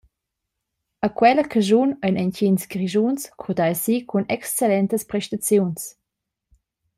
A quella caschun ein entgins Grischuns curdai si cun excellentas prestaziuns.